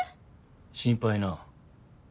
心配なぁ。